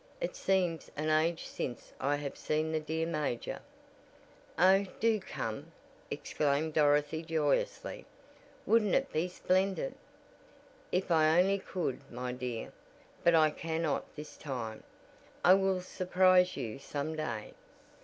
It seems an age since I have seen the dear major." "Oh, do come!" exclaimed Dorothy joyously, "Wouldn't it be splendid." "If I only could, my dear, but I cannot this time. I will surprise you some day.